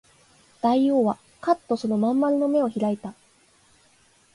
大王はかっとその真ん丸の眼を開いた